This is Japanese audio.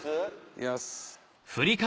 いきます。